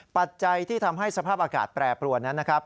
ปัจจัยที่ทำให้สภาพอากาศแปรปรวนนั้นนะครับ